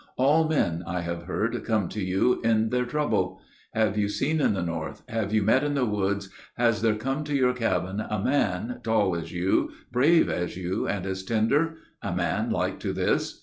All men, I have heard, come to you in their trouble. Have you seen in the North, have you met in the woods, Has there come to your cabin a man, tall as you, Brave as you and as tender? A man like to this?"